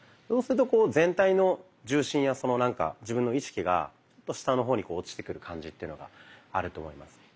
そうするとこう全体の重心やそのなんか自分の意識が下の方に落ちてく感じというのがあると思います。